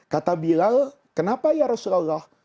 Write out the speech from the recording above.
kata bilal kenapa ya rasulullah